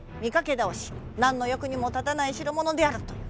何の役にも立たない代物であるという。